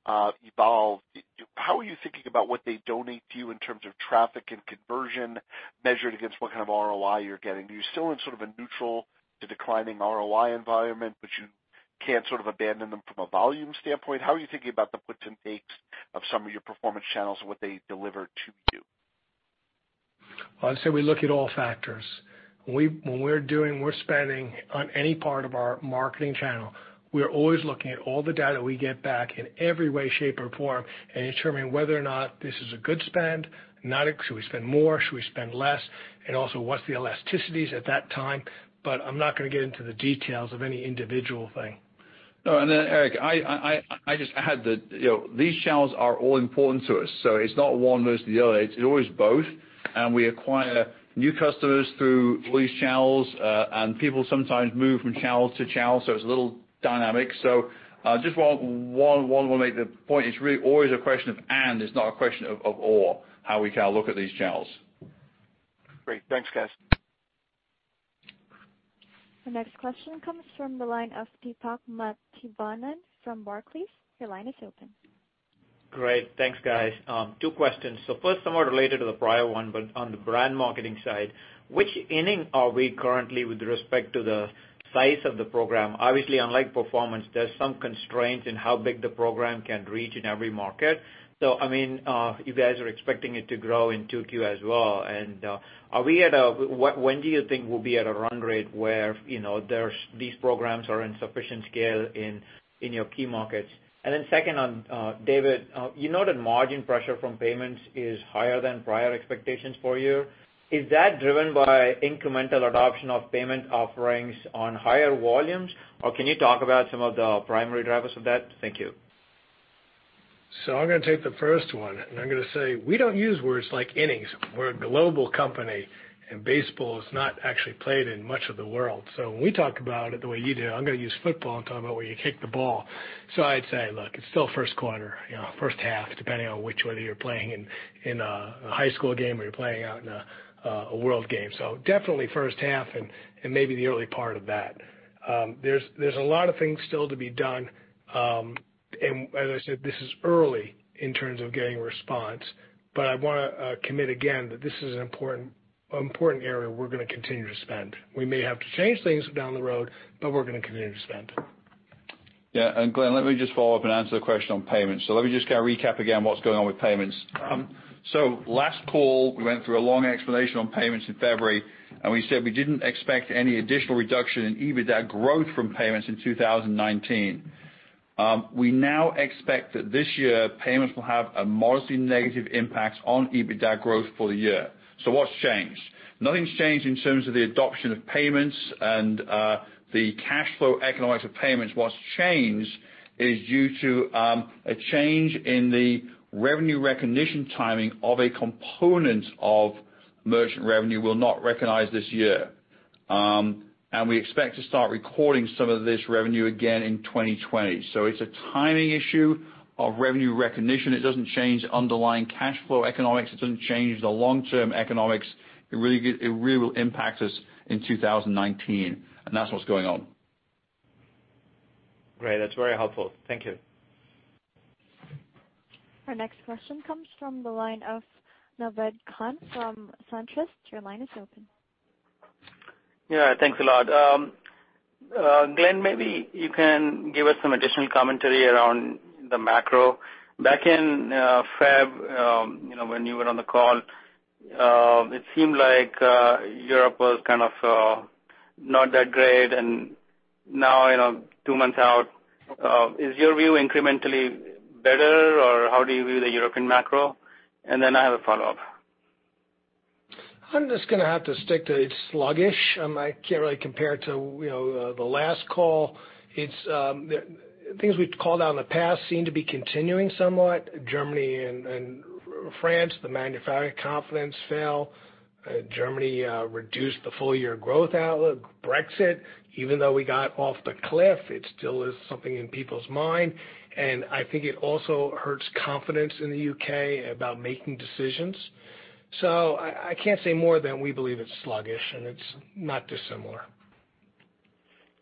evolve, how are you thinking about what they donate to you in terms of traffic and conversion measured against what kind of ROI you're getting? Are you still in sort of a neutral to declining ROI environment, you can't sort of abandon them from a volume standpoint? How are you thinking about the puts and takes of some of your performance channels and what they deliver to you? Well, I'd say we look at all factors. When we're spending on any part of our marketing channel, we are always looking at all the data we get back in every way, shape, or form and determining whether or not this is a good spend. Should we spend more? Should we spend less? Also, what's the elasticities at that time? I'm not going to get into the details of any individual thing. No, Eric, these channels are all important to us, so it's not one versus the other. It's always both. We acquire new customers through all these channels, and people sometimes move from channel to channel, it's a little dynamic. Just one will make the point. It's really always a question of and, it's not a question of or, how we kind of look at these channels. Great. Thanks, guys. The next question comes from the line of Deepak Mathivanan from Barclays. Your line is open. Great. Thanks, guys. Two questions. First, somewhat related to the prior one, but on the brand marketing side, which inning are we currently with respect to the size of the program? Obviously, unlike performance, there's some constraints in how big the program can reach in every market. You guys are expecting it to grow in 2Q as well. When do you think we'll be at a run rate where these programs are in sufficient scale in your key markets? Then second on, David, you noted margin pressure from payments is higher than prior expectations for you. Is that driven by incremental adoption of payment offerings on higher volumes, or can you talk about some of the primary drivers of that? Thank you. I'm going to take the first one, I'm going to say we don't use words like innings. We're a global company, and baseball is not actually played in much of the world. When we talk about it the way you do, I'm going to use football and talk about where you kick the ball. I'd say, look, it's still first quarter, first half, depending on whether you're playing in a high school game or you're playing out in a world game. Definitely first half and maybe the early part of that. There's a lot of things still to be done. As I said, this is early in terms of getting a response, but I want to commit again that this is an important area we're going to continue to spend. We may have to change things down the road, we're going to continue to spend. Yeah, Glenn, let me just follow up and answer the question on payments. Let me just kind of recap again what's going on with payments. Last call, we went through a long explanation on payments in February, we said we didn't expect any additional reduction in EBITDA growth from payments in 2019. We now expect that this year, payments will have a modestly negative impact on EBITDA growth for the year. What's changed? Nothing's changed in terms of the adoption of payments and the cash flow economics of payments. What's changed is due to a change in the revenue recognition timing of a component of merchant revenue we'll not recognize this year. We expect to start recording some of this revenue again in 2020. It's a timing issue of revenue recognition. It doesn't change underlying cash flow economics. It doesn't change the long-term economics. It really will impact us in 2019, that's what's going on. Great. That's very helpful. Thank you. Our next question comes from the line of Naved Khan from SunTrust. Your line is open. Yeah, thanks a lot. Glenn, maybe you can give us some additional commentary around the macro. Back in Feb, when you were on the call, it seemed like Europe was kind of not that great. Now in two months out, is your view incrementally better or how do you view the European macro? Then I have a follow-up. I'm just going to have to stick to it's sluggish. I can't really compare it to the last call. Things we've called out in the past seem to be continuing somewhat. Germany and France, the manufacturing confidence fell. Germany reduced the full-year growth outlook. Brexit, even though we got off the cliff, it still is something in people's mind, and I think it also hurts confidence in the U.K. about making decisions. I can't say more than we believe it's sluggish and it's not dissimilar.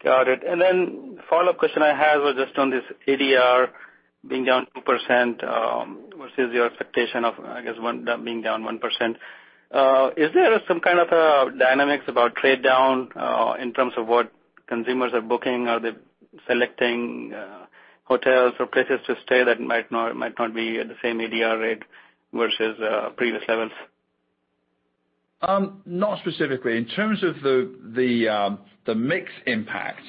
Got it. Then the follow-up question I have was just on this ADR being down 2%, versus your expectation of, I guess, that being down 1%. Is there some kind of a dynamics about trade down, in terms of what consumers are booking? Are they selecting hotels or places to stay that might not be at the same ADR rate versus previous levels? Not specifically. In terms of the mix impact,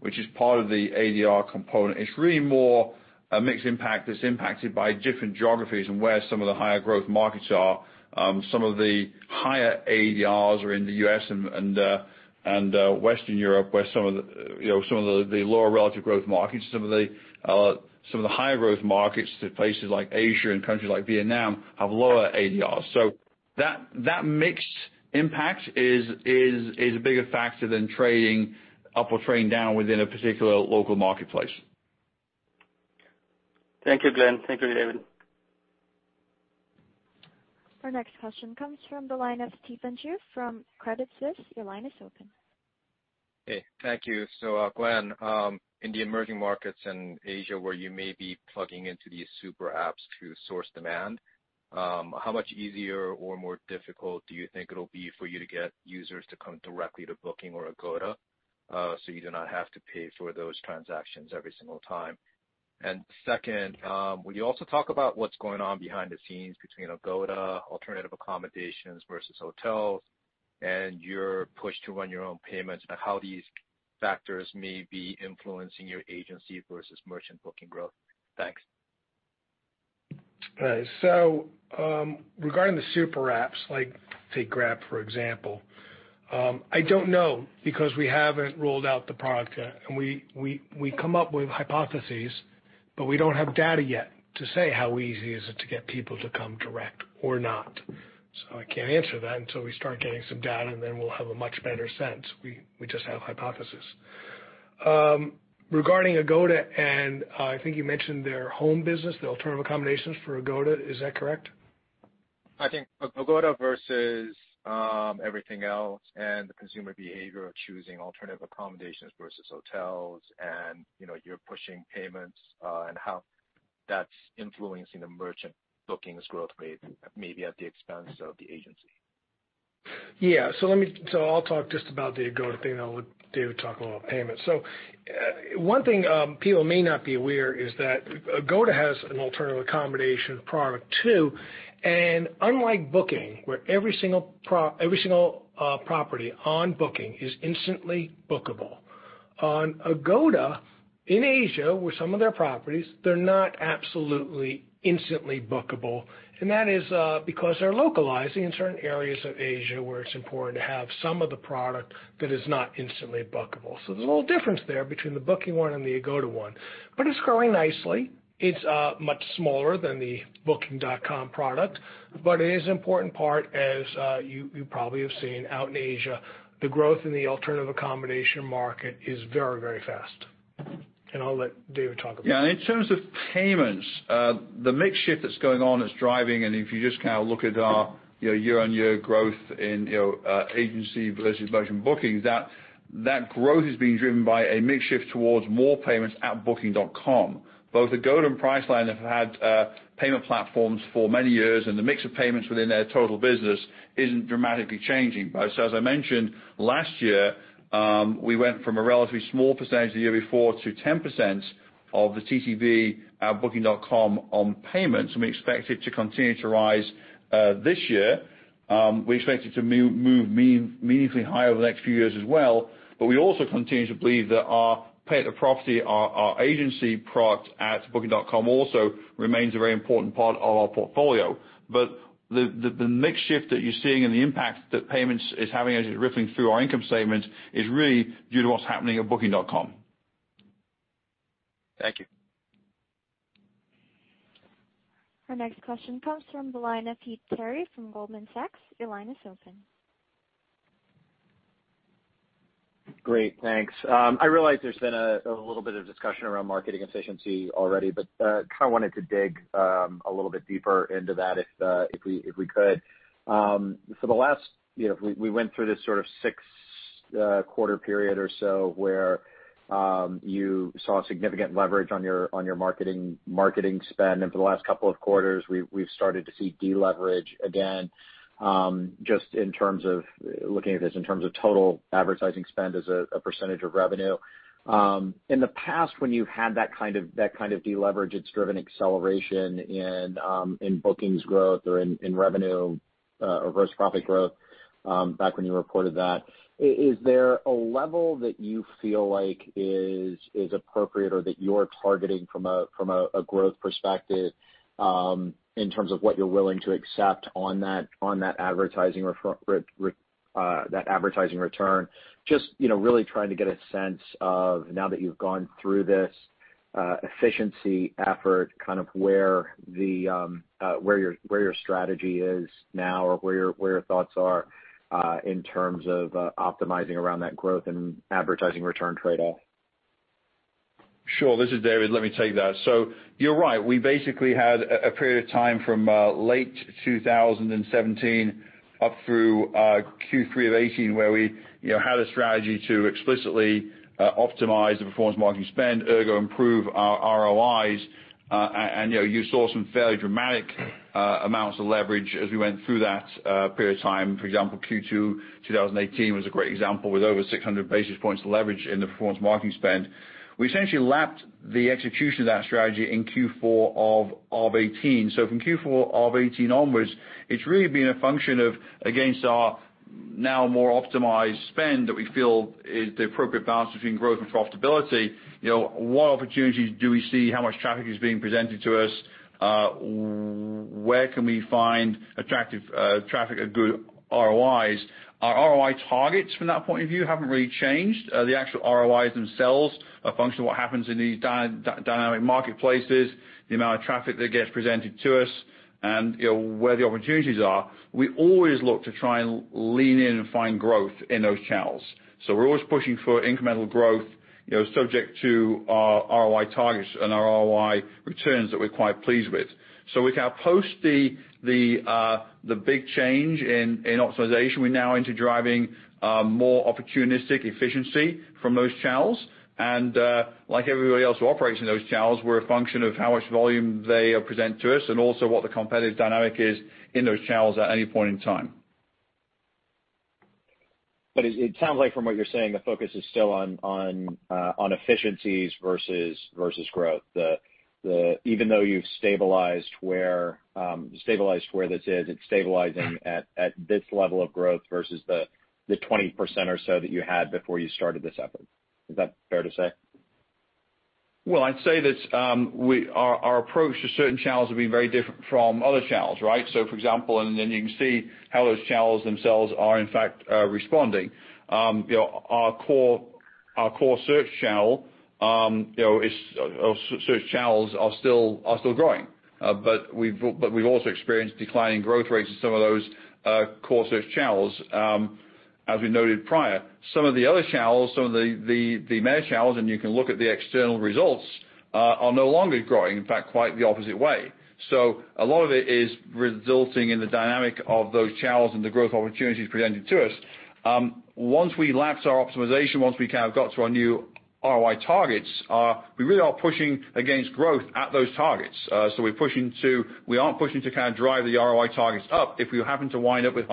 which is part of the ADR component, it's really more a mix impact that's impacted by different geographies and where some of the higher growth markets are. Some of the higher ADRs are in the U.S. and Western Europe, where some of the lower relative growth markets, some of the higher growth markets to places like Asia and countries like Vietnam have lower ADRs. That mix impact is a bigger factor than trading up or trading down within a particular local marketplace. Thank you, Glenn. Thank you, David. Our next question comes from the line of Stephen Ju from Credit Suisse. Your line is open. Hey, thank you. Glenn, in the emerging markets in Asia where you may be plugging into these super apps to source demand, how much easier or more difficult do you think it'll be for you to get users to come directly to Booking or Agoda, so you do not have to pay for those transactions every single time? Second, will you also talk about what's going on behind the scenes between Agoda, alternative accommodations versus hotels, and your push to run your own payments, and how these factors may be influencing your agency versus merchant booking growth? Thanks. Regarding the super apps, like take Grab for example. I don't know because we haven't rolled out the product yet, and we come up with hypotheses, but we don't have data yet to say how easy is it to get people to come direct or not. I can't answer that until we start getting some data, then we'll have a much better sense. We just have hypotheses. Regarding Agoda, and I think you mentioned their home business, the alternative accommodations for Agoda. Is that correct? I think Agoda versus everything else and the consumer behavior of choosing alternative accommodations versus hotels and you're pushing payments, and how that's influencing the merchant bookings growth rate maybe at the expense of the agency. Yeah. I'll talk just about the Agoda thing and I'll let David talk a little about payments. One thing people may not be aware is that Agoda has an alternative accommodation product too, and unlike Booking, where every single property on Booking is instantly bookable, on Agoda in Asia, with some of their properties, they're not absolutely instantly bookable. That is because they're localizing in certain areas of Asia where it's important to have some of the product that is not instantly bookable. There's a little difference there between the Booking one and the Agoda one, but it's growing nicely. It's much smaller than the Booking.com product, but it is an important part, as you probably have seen out in Asia, the growth in the alternative accommodation market is very, very fast. I'll let David talk about- Yeah, in terms of payments, the mix shift that's going on that's driving, and if you just kind of look at our year-on-year growth in agency versus merchant booking, that growth is being driven by a mix shift towards more payments at Booking.com. Both Agoda and Priceline have had payment platforms for many years, and the mix of payments within their total business isn't dramatically changing. As I mentioned, last year, we went from a relatively small percentage the year before to 10% of the TTV at Booking.com on payments, and we expect it to continue to rise this year. We expect it to move meaningfully higher over the next few years as well. We also continue to believe that our pay at the property, our agency product at Booking.com also remains a very important part of our portfolio. The mix shift that you're seeing and the impact that payments is having as it's rippling through our income statement is really due to what's happening at Booking.com. Thank you. Our next question comes from the line of Heath Terry from Goldman Sachs. Your line is open. Great. Thanks. I realize there's been a little bit of discussion around marketing efficiency already, but kind of wanted to dig a little bit deeper into that if we could. We went through this sort of six quarter period or so where you saw significant leverage on your marketing spend, and for the last couple of quarters, we've started to see deleverage again, just in terms of looking at this in terms of total advertising spend as a % of revenue. In the past, when you had that kind of de-leverage, it's driven acceleration in bookings growth or in revenue or gross profit growth, back when you reported that. Is there a level that you feel like is appropriate or that you're targeting from a growth perspective, in terms of what you're willing to accept on that advertising return? Just really trying to get a sense of, now that you've gone through this efficiency effort, where your strategy is now or where your thoughts are in terms of optimizing around that growth and advertising return trade-off. Sure. This is David, let me take that. You're right, we basically had a period of time from late 2017 up through Q3 2018, where we had a strategy to explicitly optimize the performance marketing spend, ergo improve our ROIs. You saw some fairly dramatic amounts of leverage as we went through that period of time. For example, Q2 2018 was a great example, with over 600 basis points of leverage in the performance marketing spend. We essentially lapped the execution of that strategy in Q4 2018. From Q4 2018 onwards, it's really been a function of, against our now more optimized spend that we feel is the appropriate balance between growth and profitability, what opportunities do we see, how much traffic is being presented to us? Where can we find attractive traffic at good ROIs? Our ROI targets from that point of view haven't really changed. The actual ROIs themselves are a function of what happens in these dynamic marketplaces, the amount of traffic that gets presented to us and where the opportunities are. We always look to try and lean in and find growth in those channels. We're always pushing for incremental growth, subject to our ROI targets and our ROI returns that we're quite pleased with. We can now post the big change in optimization. We're now into driving more opportunistic efficiency from those channels. Like everybody else who operates in those channels, we're a function of how much volume they present to us, and also what the competitive dynamic is in those channels at any point in time. It sounds like from what you're saying, the focus is still on efficiencies versus growth. Even though you've stabilized where this is, it's stabilizing at this level of growth versus the 20% or so that you had before you started this effort. Is that fair to say? I'd say that our approach to certain channels will be very different from other channels, right? For example, you can see how those channels themselves are in fact responding. Our core search channels are still growing. We've also experienced declining growth rates in some of those core search channels, as we noted prior. Some of the other channels, some of the meta channels, and you can look at the external results, are no longer growing, in fact, quite the opposite way. A lot of it is resulting in the dynamic of those channels and the growth opportunities presented to us. Once we lapped our optimization, once we got to our new ROI targets, we really are pushing against growth at those targets. We aren't pushing to drive the ROI targets up. If we happen to wind up with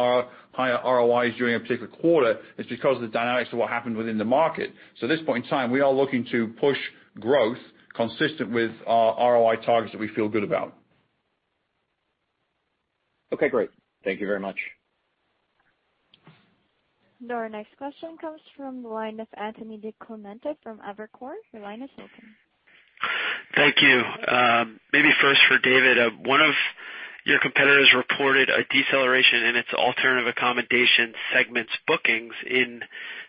higher ROIs during a particular quarter, it's because of the dynamics of what happened within the market. At this point in time, we are looking to push growth consistent with our ROI targets that we feel good about. Okay, great. Thank you very much. Your next question comes from the line of Anthony DiClemente from Evercore. Your line is open. Thank you. Maybe first for David, one of your competitors reported a deceleration in its alternative accommodation segments bookings in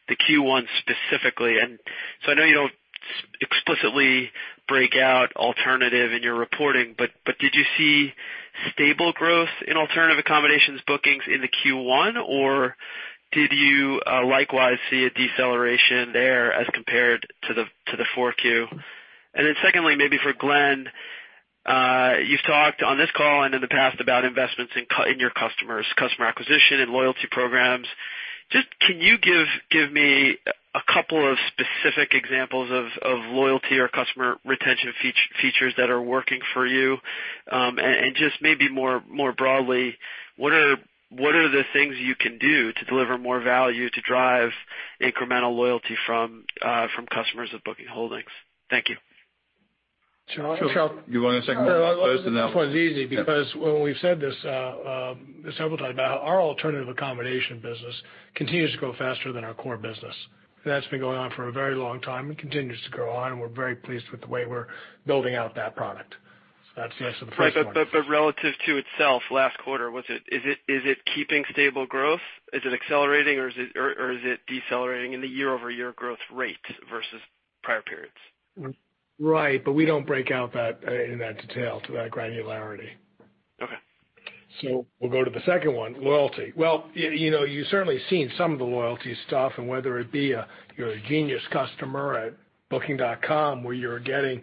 the Q1 specifically. I know you don't explicitly break out alternative in your reporting, but did you see stable growth in alternative accommodations bookings into Q1, or did you likewise see a deceleration there as compared to the 4Q? Secondly, maybe for Glenn, you've talked on this call and in the past about investments in your customers, customer acquisition and loyalty programs. Just can you give me a couple of specific examples of loyalty or customer retention features that are working for you? Just maybe more broadly, what are the things you can do to deliver more value to drive incremental loyalty from customers of Booking Holdings? Thank you. You want to take the first and then. This one's easy because, well, we've said this several times, our alternative accommodation business continues to grow faster than our core business. That's been going on for a very long time and continues to grow on, and we're very pleased with the way we're building out that product. That's the first point. Relative to itself last quarter, is it keeping stable growth? Is it accelerating, or is it decelerating in the year-over-year growth rate versus prior periods? We don't break out that in that detail, to that granularity. Okay. We'll go to the second one, loyalty. Well, you certainly seen some of the loyalty stuff and whether it be you're a Genius customer at booking.com, where you're getting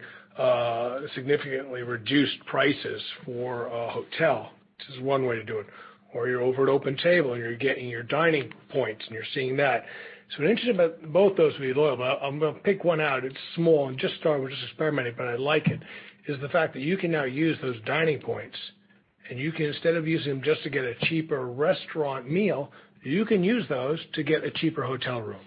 significantly reduced prices for a hotel, which is one way to do it. You're over at OpenTable, and you're getting your dining points, and you're seeing that. What's interesting about both those, I'm going to pick one out, it's small and just started, we're just experimenting, but I like it, is the fact that you can now use those dining points, and instead of using them just to get a cheaper restaurant meal, you can use those to get a cheaper hotel room.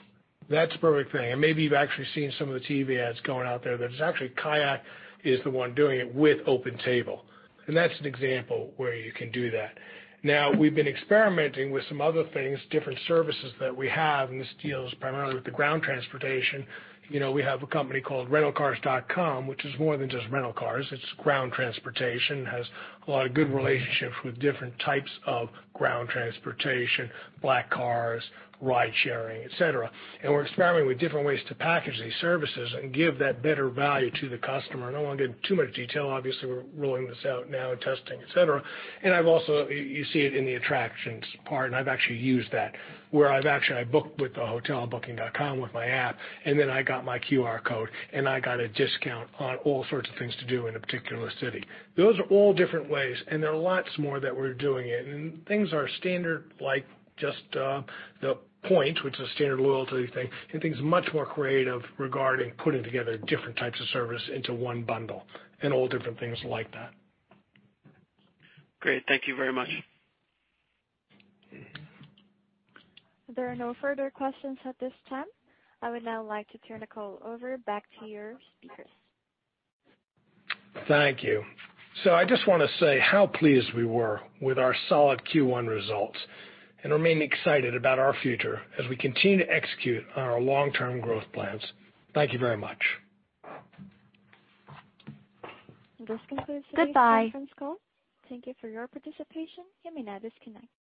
That's a perfect thing. Maybe you've actually seen some of the TV ads going out there that it's actually KAYAK is the one doing it with OpenTable. That's an example where you can do that. Now, we've been experimenting with some other things, different services that we have, and this deals primarily with the ground transportation. We have a company called rentalcars.com, which is more than just rental cars, it's ground transportation, has a lot of good relationships with different types of ground transportation, black cars, ride sharing, et cetera. We're experimenting with different ways to package these services and give that better value to the customer. I don't want to get in too much detail, obviously, we're rolling this out now and testing, et cetera. You see it in the attractions part, and I've actually used that, where I've actually booked with a hotel on booking.com with my app, and then I got my QR code, and I got a discount on all sorts of things to do in a particular city. Those are all different ways, and there are lots more that we're doing it. Things are standard, like just the points, which is a standard loyalty thing, and things much more creative regarding putting together different types of service into one bundle and all different things like that. Great. Thank you very much. There are no further questions at this time. I would now like to turn the call over back to your speakers. Thank you. I just want to say how pleased we were with our solid Q1 results and remain excited about our future as we continue to execute on our long-term growth plans. Thank you very much. This concludes today's conference call. Goodbye. Thank you for your participation. You may now disconnect.